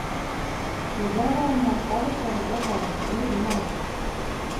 Piedāvājumā pavasara dažādu ziedu medus.